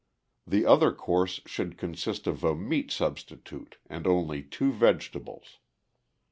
The other course should consist of a meat substitute and only two vegetables.